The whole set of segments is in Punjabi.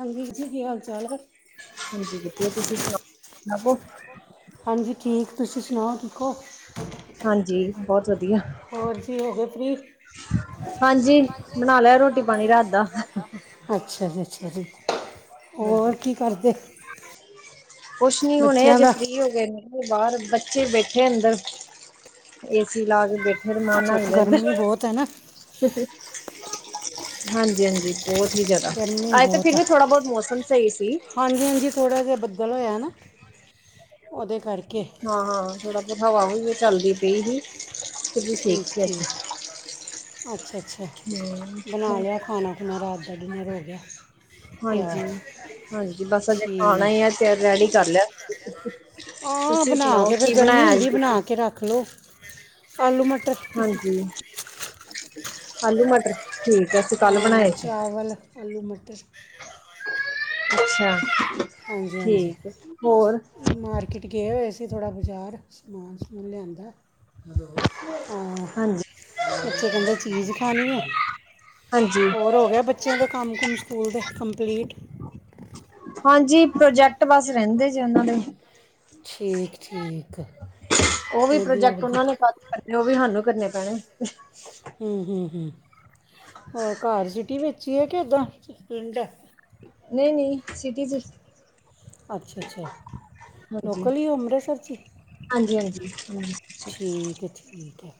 ਹਾਂਜੀ ਜੀ ਕੀ ਹਾਲ ਚਾਲ ਹਾਂਜੀ ਵਧੀਆ ਤੁਸੀਂ ਸੁਣਾਓ ਹਾਂਜੀ ਠੀਕ, ਤੁਸੀਂ ਸੁਣਾਓ ਠੀਕ ਹੋ ਹਾਂਜੀ ਬਹੁਤ ਵਧੀਆ ਹੋਰ ਜੀ ਹੋ ਗਏ ਫ੍ਰੀ ਹਾਂਜੀ ਬਣਾ ਲਿਆ ਰੋਟੀ ਪਾਣੀ ਰਾਤ ਦਾ ਅੱਛਾ ਜੀ, ਅੱਛਾ ਜੀ ਹਾਂਜੀ ਹੋਰ ਕੀ ਕਰਦੇ ਕੁਛ ਨੀ ਹੋਣੇ ਬੱਚਿਆਂ ਅਜੇ ਦਾ ਫ੍ਰਰੀ ਹੋ ਗਏ ਨੇ ਬਾਹਰ ਬੱਚੇ ਬੈਠੇ ਅੰਦਰ ਏਸੀ ਲਾ ਕੇ ਬੈਠੇ ਫਿਰ ਮ ਅੱਛਾ ਨਾਗ ਲਹਿੰਦਾ ਗਰਮੀ ਬਹੁਤ ਹੈ ਨਾ ਹਾਂਜੀ-ਹਾਂਜੀ ਬਹੁਤ ਹੀ ਜਿਆਦਾ ਗਰਮੀ ਅੱਜ ਤੇ ਫਿਰ ਵੀ ਥੋੜ੍ਹਾ ਬਹੁਤ ਮੌਸਮ ਸਹੀ ਸੀ ਹਾਂਜੀ-ਹਾਂਜੀ ਥੋੜ੍ਹਾ ਜਿਹਾ ਬੱਦਲ ਹੋਇਆ ਨਾ ਉਹਦੇ ਕਰਕੇ ਹਾਂ-ਹਾਂ ਥੋੜਾ ਬਹੁਤ ਹਵਾ ਵੀ ਨਹੀਂ ਚੱਲਦੀ ਪਈ ਸੀ ਫਿਰ ਵੀ ਠੀਕ ਸੀ ਅੱਜ ਠੀਕ-ਠੀਕ ਅੱਛਾ-ਅੱਛਾ ਬਣਾ ਹਮ ਲਿਆ ਖਾਣਾ ਖੁਣਾ ਰਾਤ ਦਾ ਡਿਨਰ ਹੋ ਗਿਆ ਤਿਆਰ ਹਾਂਜੀ-ਹਾਂਜੀ ਬਸ ਅਜੇ ਖਾਣਾ ਠੀਕ ਹੀ ਆ ਤੇ ਰੈਡੀ ਕਰ ਲਿਆ ਹਾਂ ਤੁਸੀਂ ਬਣਾ ਸੁਣਾਓ ਕੇ ਫਿਰ ਕੀ ਗਰਮੀ ਬਣਾਇਆ ਅੱਜ ਹੁੰਦੀ ਤੁਸੀਂ ਬਣਾ ਕੇ ਰੱਖ ਲਓ ਆਲੂ ਮਟਰ ਹਾਂਜੀ ਆਲੂ ਮਟਰ ਠੀਕ ਹੈ ਅਸੀਂ ਕੱਲ ਬਣਾਏ ਸੀ ਅਵਲ ਆਲੂ ਮਟਰ ਖੁਸ਼ ਹੈ ਅਬ ਹਾਂਜੀ-ਹਾਂਜੀ ਮਾਰਕੀਟ ਗਏ ਹੋਏ ਅਸੀ ਥੋੜਾ ਬਜ਼ਾਰ ਸਮਾਨ ਸੁਮਾਨ ਲਿਆਂਦਾ ਹਾਂ ਹਾਂਜੀ ਬੱਚੇ ਕਹਿੰਦੇ ਚੀਜ਼ ਖਾਣੀ ਆ ਹਾਂਜੀ ਹੋਰ ਹੋ ਗਿਆ ਬੱਚੇ ਬੱਚਿਆਂ ਦੇ ਕੰਮ ਕੁਮ ਸਕੂਲ ਦੇ ਕੰਪਲੀਟ ਹਾਂਜੀ ਪ੍ਰੋਜੈਕਟ ਬਸ ਰਹਿੰਦੇ ਨੇ ਉਹਨਾਂ ਦੇ ਠੀਕ-ਠੀਕ ਉਹ ਵੀ ਪ੍ਰੋਜੈਕਟ ਉਹਨਾ ਨੇ ਕਾ ਕਰਨ ਉਹ ਵੀ ਸਾਨੂੰ ਕਰਨੇ ਪੈਣੇ ਹੂ -ਹੂ ਹੂ ਹੋਰ ਘਰ ਸਿਟੀ ਅੱਛੀ ਹੀ ਹੈ ਇਦਾਂ ਪਿੰਡ ਹੈ ਨਹੀਂ-ਨਹੀਂ ਸਿਟੀ ਚ ਅੱਛਾ-ਅੱਛਾ ਲੋਕਲ ਹੀ ਹੋ ਅੰਮ੍ਰਿਤਸਰ ਚ ਹਾਂਜੀ-ਹਾਂਜੀ ਠੀਕ ਹੈ-ਠੀਕ ਹੈ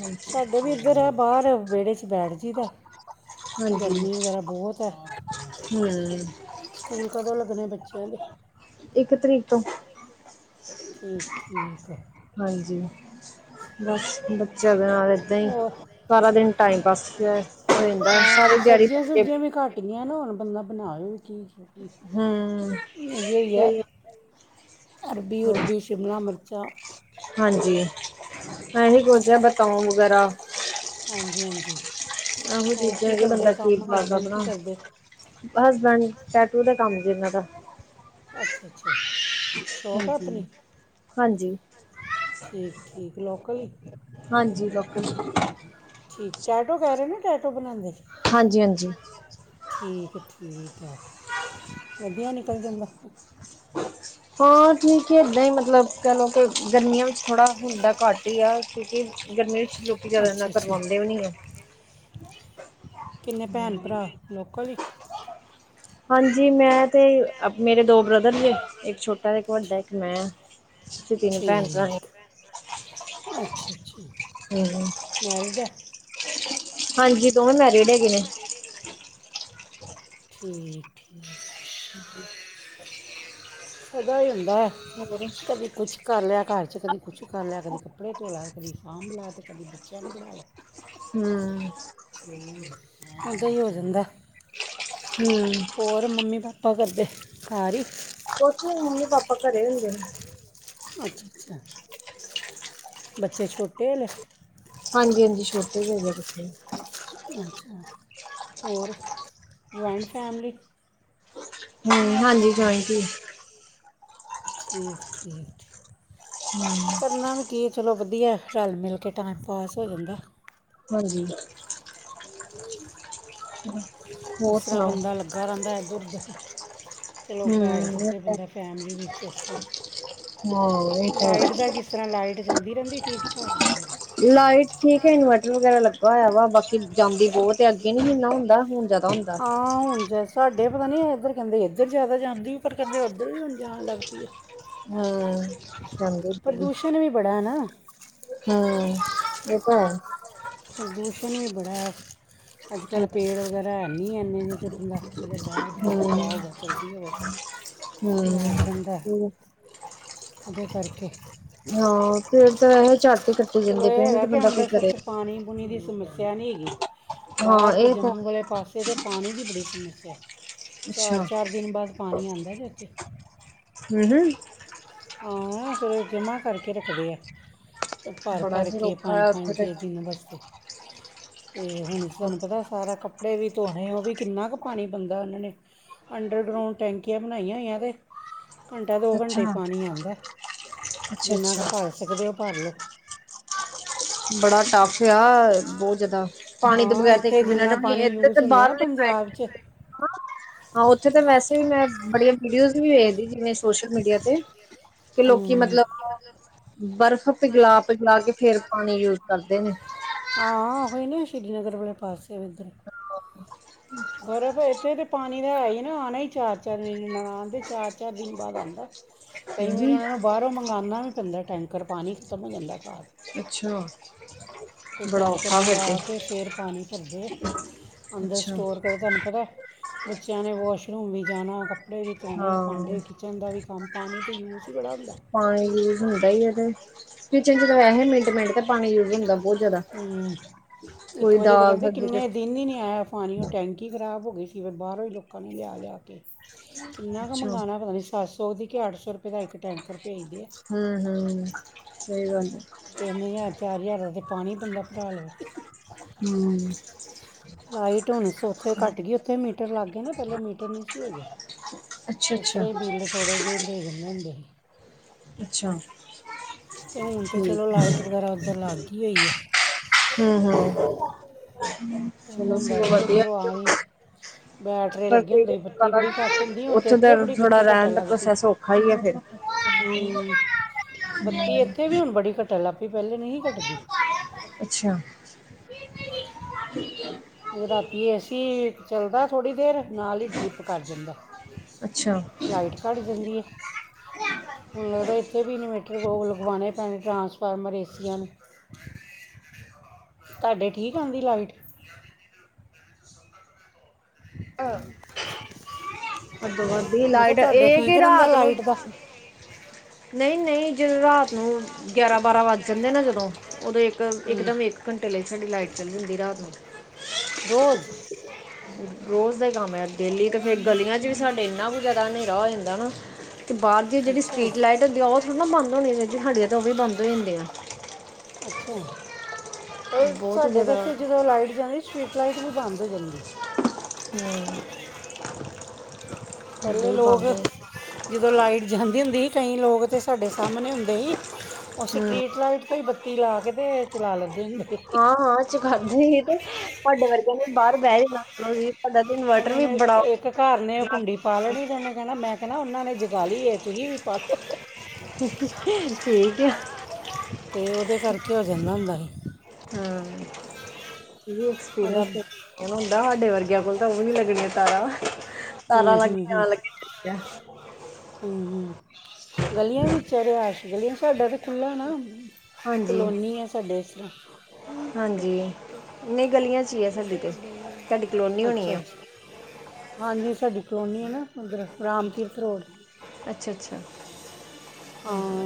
ਹਾਂਜੀ ਸਾਡੇ ਵੀ ਇੱਧਰ ਹੈ ਬਾਹਰ ਵਿਹੜੇ ਚ ਬੈਠ ਜਾਈਦਾ ਗਰਮੀ ਵਗੈਰਾ ਬਹੁਤ ਹੈ ਹੂ,,, ਸਕੂਲ ਕਦੋਂ ਲੱਗਣੇ ਬੱਚਿਆਂ ਦੇ ਇੱਕ ਤਰੀਕ ਤੋਂ ਠੀਕ-ਠੀਕ ਹੈ ਹਾਂਜੀ ਬਸ ਬੱਚਿਆਂ ਨਾਲ ਇਦਾਂ ਹੀ ਹੋਰ ਸਾਰਾ ਦਿਨ ਟਾਈਮ ਪਾਸ ਰਹਿੰਦਾ ਸਾਰੀ ਦਿਹਾੜੀ ਮੇ ਬੱਚੇ ਸਬਜੀਆਂ ਵ ਘਾਟ ਇਨੀਆਂ ਨੂੰ ਹੁਣ ਬੰਦਾ ਬਣਾਇ ਵੀ ਕੀ ਹਮ ਇਹ ਹੋਆ ਸਹੀ ਅਰਬੀ ਉਰਬੀ ਸ਼ਿਮਲਾ ਮਿਰਚਾਂ ਹਾਂਜੀ ਮੈਂ ਨੀ ਕੁਝ ਆ ਬਤਾਓ ਵਗੈਰਾ ਹਾਂਜੀ ਹਾਂਜੀ ਇਹੋ ਹੋਰ ਕੀ ਚੀਜ਼ਾਂ ਕਿ ਕਰਦੇ ਬੰਦਾ ਕੀ ਕੰਮ ਪਿਆਜ਼ਾ ਹਸਬੈਂਡ ਕੀ ਬਣਾ ਕਰਦੇ ਬਸ ਬੰਨ ਟੈਟੂ ਦੇ ਕੰਮ ਜ ਇਹਨਾਂ ਦਾ ਅੱਛਾ ਅੱਛਾ ਸ਼ੋਪ ਹਾਂਜੀ ਹਾਂਜੀ ਠੀਕ-ਠੀਕ। ਲੋਕਲ ਹੀ? ਹਾਂਜੀ, ਲੋਕਲ। ਠੀਕ ਟੈਟੋ ਕਹਿ ਰਹੇ ਨੇ ਟੈਟੋ ਬਣਾਉਂਦੇ ਹਾਂਜੀ ਹਾਂਜੀ ਠੀਕ ਠੀਕ ਆ ਵਧੀਆ ਨਿਕਲ ਜਾਂਦਾ ਹਾਂ ਠੀਕ ਇੱਦਾਂ ਹੀ ਮਤਲਬ ਕਹਿ ਲਓ ਕਿ ਗਰਮੀਆਂ ਵਿੱਚ ਥੋੜਾ ਹੱਡਾ ਘੱਟ ਹੀ ਆ ਕਿਉਂਕਿ ਗਰਮੀ ਵਿੱਚ ਲੋਕਿ ਜਿਆਦਾ ਇਨਾ ਅੱਛਾ ਅੱਛਾ ਕਰਵਾਉਂਦੇ ਵੀ ਨ ਆ ਕਿੰਨੇ ਭੈਣ ਭਰਾ ਲੋਕਲ ਹੀ ਹਾਂਜੀ ਮੈਂ ਤੇ ਮੇਰੇ ਦੋ ਬ੍ਰਦਰ ਜੇ ਇੱਕ ਛੋਟਾ ਤੇ ਇੱਕ ਵੱਡਾ ਇੱਕ ਮੈਂ ਤੁਸੀਂ ਇੰਨੇ ਭੈਣ ਭਰਾ ਨੇ ਅੱਛਾ-ਅੱਛਾ। ਹੁਂ। ਮੈਰਿਡ ਹੈ? ਹਾਂਜੀ। ਦੋਵੇਂ ਮੈਰਿਡ ਹੈਗੇ ਨੇ ਠੀਕ-ਠੀਕ। ਹਾਂਜੀ। ਫਾਇਦਾ ਹੀ ਹੁੰਦਾ, ਹੋਰ ਕਭੀ ਕੁਛ‌ ਕਰ ਲਿਆ ਘਰ ਚ, ਕਦੀ ਕੁਛ ਕਰ ਲਿਆ, ਕਦੀ ਕੱਪੜੇ ਧੋ ਲਏ, ਕਦੀ ਕਾਮ ਲੈ, ਕਦੀ ਬੱਚਿਆਂ ਨੁਂ ਪੜਾਓ। ਹੁਂ। ਉਹਦਾਂ ਹੀ ਹੋ ਜਾਂਦਾ। ਹੁਂ। ਹੋਰ ਮੰਮੀ-ਪਾਪਾ ਕਰਦੇ? ਘਰ ਹੀ? ਕੁਛ ਨੀ। ਮੰਮੀ-ਪਾਪਾ ਘਰੇ ਹੁੰਦੇ ਨੇ। ਅੱਛ-ਅੱਛਾ। ਬੱਚੇ ਛੋਟੇ ਨੇ? ਹਾਂਜੀ-ਹਾਂਜੀ। ਛੋਟੇ ਜੇੇ ਹੈਗੇ ਬੱਚੇ। ਅੱਛਾ, ਹੋਰ ਜਇੰਟ ਫੈਮਲੀ? ਹੁਂ, ਹਾਂਜੀ, ਜਞਾਂਇਟ ਹੀ ਏ। ਠੀਕ-ਠੀਕ। ਕਰਨਾ ਵੀ ਕੀ, ਚਲੋ ਵਧੀਆ, ਰਲ-ਮਿਲ ਕੇ ਟਾਈਮ ਪਾਸ ਹੋ ਜਾਂਦਾ। ਹਾਂਜੀ। ਹ ਉਸ ਤਰ੍ਹਾਂ ਬੰਦਾ ਲੱਗਾ ਰਹਿੰਦਾ ਇੱਧਰ-ਉੱਧਰ। ਤੇ ਲੋਕ ਬੈਠ ਹੂੰ ਇਹ ਦਿੱਤੇ ਤਾਂ ਬੰਦਰ। ਭੈਣਜੀ ਞੀਚ ਇਸ ਹਾਂ ਇਹ ਤਰਾਂ। ਤਾਂ ਲਾਈਟ ਹੈ। ਦਾ ਕਿਸ ਇਸ ਤਰ੍ਹਾਂ ਲਾਈਟ ਜਲਦੀ ਰਹਿੰਦੀ ਠੀਕ-ਠਾਕ? ਠੀਕ ਹੈ ਲਾਈਟ ਇਨਵਰਟਰ ਠੀਕ ਹੈ, ਵਗੈਰਾ ਲੱਗਾ ਇਨਵਰਟਰ ਹੋਇਆ ਵਗੈਰਾ ਵਾ ਲੱਗਾ ਬਾਕੀ ਹੋਆ। ਜਾਂਦੀ ਬਾਕੀ ਬਹੁਤ ਹੈ ਜਾਂਦੀ ਅੱਗੇ ਨੀ ਬਹੋਤ ਇੰਨਾ ਹੈ ਹੁੰਦਾ ਹੁਣ ਜ਼ਿਆਦਾ [unintelligible] ਹੁੰਦਾ। ਹਾਂ, ਹੁਂਨ ਜ ਤੁਹਾਡੇ ਪਤਾ ਨਹੀਂ ਹੈ ਇੱਧਰ ਕਹਿੰਦੇੱ, ਇੱਧਰ ਜ਼ਿਆਦਾ ਜਾਂਦੀ ਹੋ। ਪਰ ਕਹਿੰਦੇ ਉੱਧਰ ਵੀ ਹੁਣ ਜਾਣ ਲੱਗ ਪਈ ਏ। ਹਾਂ। ਪ੍ਰਦੂਸ਼ਣ ਵੀ ਬੜਾ ਹੈ ਨਾ। ਹੁਂ, ਇਹ ਤਾਂ ਹੈ। ਪ੍ਰਦੂਸ਼ਣ ਵੀ ਬੜਾ ਹੈ। ਅੱਜ-ਕੱਲ ਪੇੜ ਵਗੈਰਾ ਹੈ ਨਹੀਂ ਹੈ ਇਨੇ। ਨਹੀਂ ਤੇ ਬਂਦਾ ਚਲੋ ਬਾਹਰ ਹੂੰ ਹਵਾ-ਹਵਾ ਚਲਦੀ ਹੋ ਵੈਸੇ, ਹੂੰ ਬੈਠ ਜਾਂਦਾ। ਉਹਦੇ ਕਰਕੇ। ਹਾਂ, ਫੇਰ ਤਾਂ ਇਹ ਝਾਟ ਕੱਟੇ ਜਾਂਦੇ। ਪਏ ਨਾ ਤੇ ਬੰਦਾ ਕੀ ਕਰੇ। ਪਾਣੀ-ਪੁਣੀ ਦੀ ਸਮੱਸਿਆ ਨਹੀਂ ਹੈਗੀ। ਹਾਂ ਬਾਹਰ ਤਾਂ ਇਹ ਜੰਮੂ ਵਾਲੇ ਪਾਸੇ ਤੇ ਪਾਣੀ ਦੀ ਬੜੀ ਸਮੱਸਿਆ ਹੈ। ਅੱਛਾ ਚਾਰ-ਚਾਰ ਦਿਨ ਬਾਅਦ ਪਾਣੀ ਆਉਂਦਾ ਜ ਏਥੇ। ਹਮ, ਹਮ। ਆ ਫਿਰ ਜਮ੍ਹਾਂ ਕਰਕੇ ਰੱਖਦੇ ਆ। ਭਰ ਬੜਾ ਭਰ ਹੀ ਕੇ ਔਖਾ ਪੰਜ ਹੈ ਉੱਥੇ ਪੰਜ ਤੇ ਦੇ ਦਿਨ ਵਾਸਤੇ ਤੇ ਹੁਣ ਤੁਹਾਨੂੰ ਪਤਾ ਸਾਰਾ ਕੱਪੜੇ ਵੀ ਧੋਣੇ ਉਹ ਵੀ ਕਿੰਨਾ ਕੁ ਪਾਣੀ ਬੰਦਾ ਉਹਨਾਂ ਨੇ। ਅੰਡਰਗਰਾਊਂਡ ਟੈਂਕੀਆਂ ਬਣਾਈਆਂ ਹੋਈਆਂ ਞੇ। ਘੰਟਾ-ਦੋ ਘੰਟੇ ਹੀ ਅੱਛਾ ਪਾਣੀ ਆਉਂਦਾ। ਜਿੰਨਾ ਕੁ ਅੱਛਾ-ਅੱਛਾ ਭਰ ਸਕਦੇ ਹੋ ਭਰ ਲਉ। ਬੜਾ ਟਫ ਪਿਯਾਸ, ਬਹੁਤ ਜਿਆਦਾ। ਪਾਣੀ ਦੇ ਹਾਂ ਬਗੈਰ ਤੇ ਇੱਕ ਇੱਥੇ ਮਿਨਟ ਜਿੰਨਾ ਵੀ ਨਹੀਂ। ਪਾਣੀ ਇਤੇ ਯੂਜ਼ ਤੇ ਹੁੰਦਾ ਨਾ ਬਾਹਰਲੇ ਪਾਈਪ ਪੰਜਾਬ 'ਚ ਹਾਂ, ਉੱਥੇ ਤਾਂ ਵੈਸੇ ਵੀ ਮੈਂ, ਬੜੀਆਂ ਵੀਡੀਓਜ਼ ਵੀ ਵੇਖਦੀ ਸੀ ਸੋਸ਼ਲ ਮੀਡੀਆ ਤੇ। ਕਿ ਲੋਕੀ ਹੂੰ ਮਤਲਬ ਹੁਣ ਬਰਫ਼ ਤੇ ਗਲਾ [unintelligible] ਏਚ ਪਾ ਕੇ ਫੇਰ ਪਾਣੀ ਯੂਜ ਕਰਦੇ ਨੇ। ਹਾਂ, ਉਹੀ ਨਾ ਸ਼੍ਰੀਨਗਰ ਵਾਲੇ ਪਾਸੇ ਇਧਰ, ਬਰਫ਼ ਇੱਥੇ ਤੇ ਪਾ ਪਾਣੀ ਦਾ ਹੈ ਹੀ ਨਾ ਆਉਣਾ ਹੀ ਚਾਰ-ਚਾਰ ਮ ਨਾਲ ਆਉਂਦੇ, ਚਾਰ-ਚਾਰ ਦਿਨ ਬਾਅਦ ਆਉਂਦਾ। ਕਈ ਵਾਰੀ ਹੂੰ ਉਹ ਨੂੰ ਬਾਹਰੋਂ ਮੰਗਵਾਉਣਾ ਵੀ ਪੈਂਦਾ, ਟੈਂਕਰ ਪਾਣੀ ਖਤਮ ਹੋ ਜਾਂਦਾ। ਘਰ ਅੱਛਾ। ਫਿਰ ਬੜਾ ਟੈਂਕਰ ਔਖਾ ਫਿਰ ਤੇ ਮੰਗਵਾ ਕੇ ਫਿਰ ਪਾਣੀ ਭਿਰਦੇ। ਅੰਦਰ ਅੱਛਾ ਸਟੋਰ ਕਰੇ ਤੁਹਾਨੂੰ ਪਤਾ ਹੈ ਬੱਚਿਆਂ ਨੇ ਵਾਸ਼ਰੂਮ ਵੀ ਜਾਣਾ ਕੱਪੜਾ ਕੱਪੜੇ ਵੀ ਧੋਣੇ ਹਾਂ ਭਾਂਡੇ ਕਿਚਨ ਦਾ ਵੀ ਕੰਮ ਪਾਣੀ ਦਾ ਯੂਜ ਹੀ ਬੜਾ ਹੁੰਦਾ ਪਾਣੀ ਯੂਜ ਹੁੰਦਾ ਹੀ ਤੇ। ਕਿਚਨ ਚ ਤਾਂ ਵੈਸੇ ਮਿੰਟ -ਮਿੰਟ ਤਾਂ ਪਾਣੀ ਯੂਜ ਹੁੰਦਾ ਬਹੁਤ ਜ਼ਿਆਦਾ ਹੂੰ ਇੱਕ ਕੋਈ ਵਾਰੀ ਤਾਂ ਦਾਲ ਕਹਿੰਦੇ ਸਬਜ਼ੀ ਕਿੰਨੇ ਦਿਨ ਹੀ ਨਹੀਂ ਆਇਆ ਪਾਣੀ ਉਹ ਟੈਂਕੀ। ਖਰਾਬ ਹੋ ਗਈ ਸੀ ਫਿਰ ਬਾਹਰੋਂ ਹੀ ਲੋਕਾਂ ਨੇ ਲਿਆ- ਲਿਆ ਕੇ ਕਿੰਨਾ ਕੁ ਕੁਛ ਮੰਗਉਣਾ ਅੱਛਾ ਪਤਾ ਨਹੀ ਸੱਤ ਸੌ ਉਹਦੀ ਕਿ ਅੱਠ ਸੌ ਰੁਪਏ ਦਾ ਇੱਕ ਟੈਂਕਰ ਭੇਜਦੇ ਆ ਹਮ, ਹਮ ਸਹੀ ਗੱਲ ਹੈ। ਤਿੰਨ ਹਜ਼ਾਰ ਚਾਰ ਹਜ਼ਾਰ ਦਾ ਪਾਣੀ ਬੰਦਾ ਪਟਾ ਲਿਆ ਬੈਠੀ। ਹਮ। ਲਾਈਟ ਹੁਣ ਉੱਥੇ ਘੱਟ ਗਈ ਉੱਥੇ ਮੀਟਰ ਲੱਗ ਗਏ ਨਾ ਪਹਿਲੇ ਮੀਟਰ ਨਹੀਂ ਸੀ ਹੈਗੇ। ਅੱਛਾ, ਅੱਛਾ। ਥੋੜੇ ਜਿਹੇ ਲੈ ਲਦੇ ਹੁੰਦੇ ਸੀ। ਅੱਛਾ। ਤੇ ਹੁਣ ਤਾਂ ਚਲੋ ਠੀਕ ਲਾਈਟ ਵਗੈਰਾ ਉੱਧਰ ਲਗ ਹੀ ਹੋਈ ਹੈ। ਹਮ, ਹਮ ਪਹਿਲਾਂ ਹੁੰਦਾ ਸੀ ਕਿ ਚਲੋ ਆ ਜ। [unintelligible] [unintelligible] ਪਰ ਪ ਬੜੀ ਘੱਟ ਹੁੰਦੀ ਹੁਣ ਤਾਂ ਉੱਥੇ ਦਾ ਇੱਥੇ ਬੜੀ ਥੋੜਾ ਬੱਤੀ ਰਹਿਣ ਘਟਣ ਦਾ ਲੱਗ ਪਈ ਪ੍ਰੋਸੈਸ ਔਖਾ ਆ ਫਿਰ ਹੂੰ, ਬੱਤੀ ਇੱਥੇ ਵੀ ਹੁਣ ਬੜੀ ਘਟਣ ਲੱਗ ਪਈ ਪਹਿਲੇ ਨਹੀਂ ਸੀ ਘਟਦੀ। ਅੱਛਾ। ਗਰਾਤੀ ਐਸੀ। ਚੱਲਦਾ ਥੋੜ੍ਹੀ ਦੇਰ ਨਾਲ ਹੀ ਡਰਿੱਪ ਕਰ ਜਾਂਦਾ ਅੱਛਾ ਅੱਛਾ ਲਾਈਟ 'ਚ ਘੱਟ ਜਾਂਦੀ ਹੈ। ਮੈਨੂੰ ਲਗਦਾ ਇੱਥੇ ਵੀ ਇਨਵੇਟਰ ਲਗਵਾਣੇ ਪੈਣੇ ਟਰਾਂਸਫਾਰਮਰ ਏਸੀਆਂ ਨੂੰ। [unintelligible] [unintelligible] ਤੁਹਾਡੇ ਠੀਕ ਆਉਂਦੀ ਲਾਈਟ। ਅਮ ਅਧ ਅਧਦੀ ਮੈਂ ਕਿਹਾ ਲਾਈਟ ਤੁਹਾਡੇ ਇਹ ਠੀਕ ਕਿ ਰਹਿੰਦਾ ਰਾਤ ਨੂੰ ਲਾਈਟ ਦਾ ਨਹੀਂ- ਨਹੀਂ ਜਦੋਂ ਰਾਤ ਨੂੰ ਹ ਗਿਆਰਾਂ -ਬਾਰਾਂ ਵੱਜ ਜਾਂਦੇ ਨਾ ਜਦੋਂ, ਉਦੋਂ ਇੱਕ ਹੂੰ ਇੱਕਦਮ ਇੱਕ ਘੰਟੇ ਲਈ ਸਾਡੀ ਲਾਈਟ ਚੱਲ ਜਾਂਦੀ ਰਾਤ ਨੂੰ ਰੋਜ਼ ਰੋਜ਼ ਦਾ ਕੰਮ ਹੈ, ਡੇਲੀ ਤੇ ਫਿਰ ਗਲੀਆਂ ਚ ਵੀ ਸਾਡੇ ਇੰਨਾ ਕੁ ਜ਼ਿਆਦਾ ਹਨੇਰਾ ਹੋ ਜਾਂਦਾ ਨਾ ਬਾਹਰ ਦੀ ਜਿਹੜੀ ਅੱਛਾ ਸਟਰੀਟ ਲਾਈਟ ਹੁੰਦੀ ਆ ਉਹ ਥੋੜ੍ਹਾ ਬੰਦ ਹੋਣੀ ਚਾਹੀਦੀ ਸਾਡੀਆਂ ਤਾਂ ਉਹ ਵੀ ਬੰਦ ਹੋ ਜਾਂਦੀਆਂ ਅੱਛਾ ਪਰ ਬਹੁਤ ਹੀ ਸਾਡੇ ਤਾਂ ਜ਼ਿਆਦਾ ਇੱਥੇ ਜਦੋਂ ਲਾਈਟ ਜਾਂਦੀ ਸਟਰੀਟ ਲਾਈਟ ਵੀ ਬੰਦ ਹੋ ਜਾਂਦੀ ਹੂੰ [unintelligible] ਏਦਾਂ ਪਹਿਲੇ ਹੀ ਲੋਕ ਬੰਦ ਹੋ ਲੋਕ ਜਦੋਂ ਲਾਈਟ ਜਾਂਦੀ ਹੁੰਦੀ ਸੀ ਕਈ ਲੋਕ ਉਹ ਤੇ ਸਾਡੇ ਸਾਹਮਣੇ ਹੁੰਦੇ ਸੀ, ਉਹ ਹੂੰ ਸਟਰੀਟ ਲਾਈਟ ਤੇ ਬੱਤੀ ਲਾ ਕੇ ਤੇ ਚਲਾ ਲੈਂਦੇ ਹੁੰਦੇ ਸੀ ਹਾਂ ਹਾਂ ਚ ਖਾਦੇ ਸੀ ਤੇ ਤੁਹਾਡੇ ਵਰਗਿਆਂ ਨੇ ਬਾਹਰ ਬਹਿ ਜਾਂਦਾ ਉਹਨਾਂ ਨੇ ਇੱਕ ਘਰ ਨੇ ਉਹ ਕੁੰਡੀ ਪਾਲਣੀ ਤੇ ਉਹਨੇ ਕਹਿਣਾ ਮੈਂ ਕਹਿਣਾ ਉਹਨਾਂ ਨੇ ਜਗਾ ਲਈ ਤੁਸੀ ਹੀ ਬਾਤ ਠੀਕ ਆ। ਤੇ ਉਹਦੇ ਕਰਕੇ ਹੋ ਜਾਂਦਾ ਹੁੰਦਾ ਸੀ। ਹਾਂ, ਇਹ ਵੀ ਉਹਦਾ ਐਕਸਪੀਰੀਅੰਸ। ਹੁੰਦਾ ਸਾਡੇ ਵਰਗਿਆਂ ਕੋਲ ਤਾਂ ਉਹ ਵੀ ਨੀ ਲੱਗਣੀਆਂ ਤਾਰਾ। ਤਾਰਾਂ ਹੂੰ ਲੱਗ ਜਾਣ ਲੱਗੇਕ। ਹਮ, ਹਮ ਗਲੀਆਂ ਵਿੱਚ ਰਿਹਾਸ਼ ਗਲੀਆਂ ਸਾਡਾ ਤਾਂ ਖੁੱਲ੍ਹਾ ਨਾ ਹਾਂਜੀ ਕਲੋਨੀ ਆ ਸਾਡੇ ਇਸ ਤਰ੍ਹਾਂ। ਹਾਂਜੀ ਨਹੀਂ ਗਲੀਆਂ ਚ ਈ ਐ ਸਾਡੀ ਤੇ। ਕਲੋਨੀ ਹੋਣੀ ਅੱਛਾ ਆ ਅੱਛਾ ਹਾਂਜੀ ਸਾਡੀ ਕਲੋਨੀ ਹੈ ਨਾ ਉੱਧਰ ਰਾਮ ਤੀਰਥ ਰੋਡ ਅੱਛਾ ਅੱਛਾ ਹ ਹਾਂਜੀ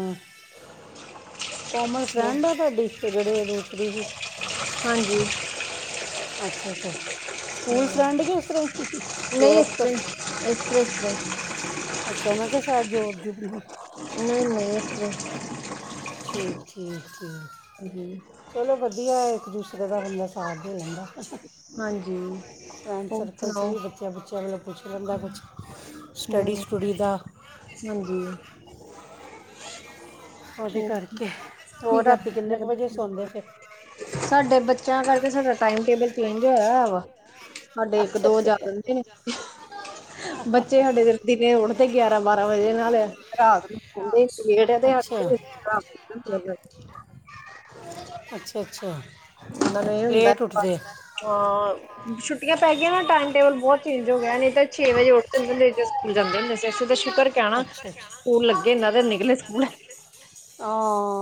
ਕੋਮਲ ਹੋਰ? ਫਰੈਂਡ ਆ ਤੁਹਾਡੀ ਇਸ 'ਤੇ ਜਿਹੜੇ ਦੂਸਰੀ ਜ ਹਾਂਜੀ ਅੱਛਾ ਅੱਛਾ ਸਕੂਲ ਹਮ। ਫਰੈਂਡ ਕੇ ਉਸ ਤਰ੍ਹਾਂ ਜੋਬ ਤੋਂ ਐਕਸਪ੍ਰਸ ਐਕਸਪ੍ਰਸ ਅੱਛਾ ਮੈਂ ਕਿਹਾ ਸ਼ਾਇਦ ਜੋਬ ਜੁਬ ਨਹੀਂ ਨਹੀਂ ਈ ਠੀਕ ਠੀਕ ਠੀਕ ਜੀ ਚਲੋ ਵਧੀਆ ਇੱਕ ਦੂਸਰੇ ਦਾ ਬੰਦਾ ਸਾਥ ਦੇ ਦਿੰਦਾ ਹਾਂਜੀ ਫਰੈਂਡ ਹੋਰ ਸਰਕਲ 'ਚ ਸੁਣਾਓ ਵੀ ਬੱਚਿਆਂ ਬੁੱਚਿਆਂ ਵੱਲੋਂ ਪੁੱਛ ਲਹਿੰਦਾ ਕੁਛ ਸਟੱਡੀ ਹਮ ਸਟੂੱਡੀ ਦਾ ਹਾਂਜੀ ਉਹਦੇ ਕਰਕੇ ਹੋਰ ਠੀਕ ਆ ਰਾਤੀ ਕਿੰਨੇ ਕੁ ਵਜੇ ਸੌਂਦੇ ਫਿਰ [unintelligible] ਸਾਡੇ ਬੱਚਿਆਂ ਕਰਕੇ ਸਾਡਾ ਟਾਈਮ ਟੇਬਲ ਚੇਂਜ ਹੋਇਆ ਵਾ ਸਾਡੇ ਇੱਕ ਅੱਛਾ ਦੋ ਜਾ ਅੱਛਾ ਦਿੰਦੇ ਨੇ [unintelligible] ਬੱਚੇ ਸਾਡੇ ਦਿਨੇ ਉਠਦੇ ਗਿਆਰਾਂ ਬਾਰਾਂ ਵਜੇ ਨਾਲ ਰਾਤ ਨੂੰ ਸੋਂਦੇ [unintelligible] ਖੇੜਦੇ ਆ ਅੱਛਾ ਅੱਛਾ ਅੱਛਾ [unintelligible] ਇਹ ਹੁੰਦਾ ਲੇਟ ਉੱਠਦੇ ਹਾਂ ਪੈ ਗੀਆਂ ਨਾ ਛੁੱਟੀਆਂ ਟਾਈਮ ਪੈ ਗਈਆਂ ਟੇਬਲ ਨਾ, ਬਹੁਤ ਟਾਈਮ ਚੇਂਜ ਹੋ ਟੇਬਲ ਗਿਆ ਨਹੀਂ ਤਾਂ ਛੇ ਨਹੀਂ ਵਜੇ ਤਾਂ ਉੱਠ ਛੇ ਦੇ ਵਜੇ ਸਕੂਲ ਉੱਠਦੇ ਜਾਂਦੇ ਹੁੰਦੇ ਸੀ ਅਸੀ ਤਾਂ ਦ ਸ਼ਪਰ ਕਹਿਣਾ ਅੱਛਾ ਅੱਛਾ ਸਕੂਲ ਲੱਗੇ ਇੰਨਾ ਦੇ ਨਿਕਲੇ ਸਕੂਲ ਹਾਂ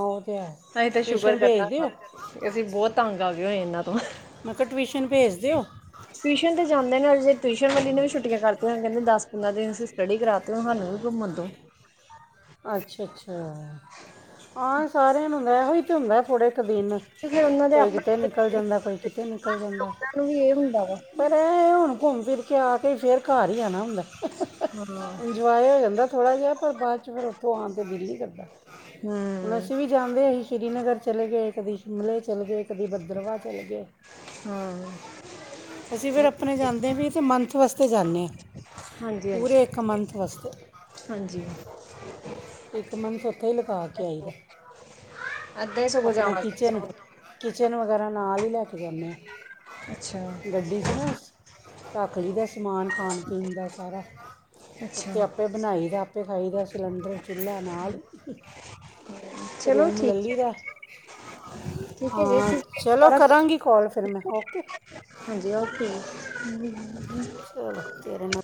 ਉਹ ਤੇ ਹੈ ਅਸੀਂ ਤਾਂ ਸ਼ੁਕਰ ਟਊਸ਼ਨ ਕਰਨਾ ਭੇਜ ਦੇਓ ਅਸੀਂ ਬਹੁਤ ਤੰਗ ਆ ਗਏ ਹੋਏ ਨੇ ਤੋਂ [unintelligible] ਮੈਂ ਕਿਹਾ ਟਿਊਸ਼ਨ ਭੇਜ ਦਿਓ ਟਿਊਸ਼ਨ ਤੇ ਜਾਂਦੇ ਨੇ ਜੇ ਟਿਊਸ਼ਨ ਵਾਲੀ ਨੇ ਵੀ ਛੁਟੀਆਂ ਕਰਤੀਆਂ ਕਹਿੰਦਾ ਦਸ ਪੰਦਰਾਂ ਦਿਨ ਸੀ ਸਟੱਡੀ ਕਰਾਤੇ ਸਾਨੂੰ ਵੀ ਘੁੰਮਣ ਦੋ ਅੱਛਾ ਅੱਛਾ ਹਾਂ ਸਾਰਿਆਂ ਨੂੰ ਇਹੋ ਹੀ ਤਾਂ ਹੁੰਦਾ ਥੋੜੇ ਇੱਕ ਦਿਨ ਤੇ ਫੇਰ ਉਹਨਾਂ ਦੇ ਕੋਈ ਕਿਤੇ ਆਪਣੇ ਨਿਕਲ ਬੱਚੇ ਨੇ, ਜਾਂਦਾ ਕੋਈ ਕਿਤੇ ਨਿਕਲ ਫਿਰ ਜਾਂਦਾ ਉਹਨਾਂ ਨੂੰ ਵੀ ਇਹ ਹੁੰਦਾ ਵਾ ਪਰ [unintelligible] ਘੁੰਮ ਫਿਰ ਖਿਆ ਕੇ ਫਿਰ ਘਰ ਹੀ ਆਣਾ ਹੁੰਦਾ ਹਾਂ ਇੰਜੋਓ ਹੋ ਜਾਂਦਾ ਥੋੜਾ ਜਿਹਾ ਪਰ ਬਾਅਦ ਚ ਫਿਰ ਉੱਥੋਂ ਆਉਣ ਤੇ ਦਿਲ ਨੀ ਕਰਦਾ ਹੁਣ ਹੂੰ ਅਸੀਂ ਵੀ ਜਾਂਦੇ ਅਸੀਂ ਸ਼੍ਰੀਨਗਰ ਚਲੇ ਗਏ ਕਦੇ ਸ਼ਿਮਲੇ ਚਲੇ ਗਏ ਕਦੇ ਭਦਰਵਾਹ ਚਲੇ ਗਏ ਹਾਂ ਅਸੀਂ ਫਿਰ ਆਪਣੇ ਜਾਂਦੇ ਹਾਂ ਵੀ ਤਾਂ ਮੰਥ ਵਾਸਤੇ ਜਾਂਦੇ ਹਾਂ ਹਾਂਜੀ ਹਾਂਜੀ ਪੂਰੇ ਇੱਕ ਮੰਥ ਵਾਸਤੇ ਹਾਂਜੀ। ਇੱਕ ਮੰਥ ਉੱਥੇ ਹੀ ਲਗਾ ਕੇ ਆਈ ਦਾ ਏਦਾਂ ਹੀ ਸਗੋਂ ਆਪਣਾ ਜਾਣਾ ਚਾਹੀਦਾ ਕਿਚਨ ਕਿਚਨ ਵਗੈਰਾ ਨਾਲ ਹੀ ਲੈ ਕੇ ਜਾਂਦੇ ਅੱਛਾ ਆ ਗੱਡੀ ਚ ਨਾ ਰਾਖਲੀ ਦਾ ਸਮਾਨ ਖਾਣ ਪੀਣ ਦਾ ਸਾਰਾ ਅੱਛਾ [unintelligible] ਆਪੇ ਬਣਾਈ ਦਾ ਆਪ ਖਾਈਦਾ ਸਿਲੰਡਰ ਚੁੱਲ੍ਹਾ ਨਾਲ ਨਾਲ ਚਲੋ ਰੂਮ ਲੈ ਠੀਕ ਲੀ ਦਾ ਹੈ ਠੀਕ ਹੈ ਜੀ ਹਾਂ ਅਸੀਂ ਚਲੋ ਦੁਬਾਰਾ ਕਰਾਂਗੀ ਕਾਲ ਫਿਰ ਮੈਂ ਓ ਹਾਂਜੀ [unintelligible] ਚ ਤੇਰੇ